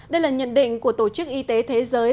đây là nhận định của tổ chức y tế thế giới